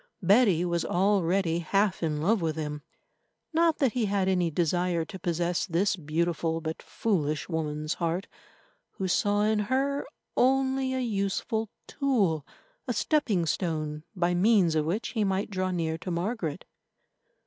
Betty was already half in love with him. Not that he had any desire to possess this beautiful but foolish woman's heart, who saw in her only a useful tool, a stepping stone by means of which he might draw near to Margaret.